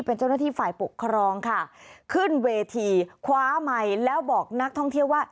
เป็นเจ้าหน้าที่ฝ่ายปกครองค่ะขึ้นเวทีคว้าไมค์แล้วบอกนักท่องเที่ยวว่า